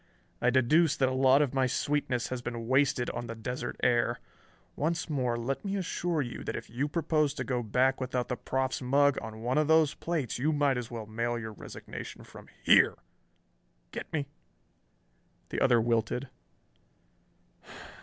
I deduce that a lot of my sweetness has been wasted on the desert air. Once more, let me assure you that if you propose to go back without the Proff's mug on one of those plates you might as well mail your resignation from here. Get me?" The other wilted.